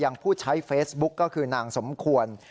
ผู้ใช้เฟซบุ๊กก็คือนางสมควร